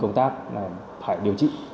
công tác phải điều trị